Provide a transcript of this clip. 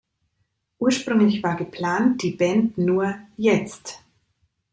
Ursprünglich war geplant, die Band nur "jetzt!